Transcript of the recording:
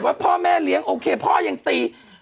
ว่าพ่อแม่เลี้ยงโอเคพ่อยังตี